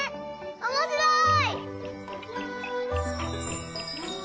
おもしろい！